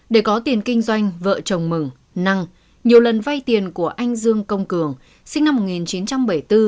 để có tiền kinh doanh vợ chồng mừng năng nhiều lần vay tiền của anh dương công cường sinh năm một nghìn chín trăm bảy mươi bốn